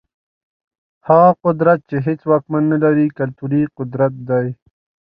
هغه قدرت چي هيڅ واکمن نلري، کلتوري قدرت دی.